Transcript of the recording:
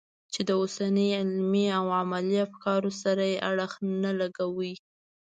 چې د اوسني علمي او عملي افکارو سره یې اړخ نه لګاوه.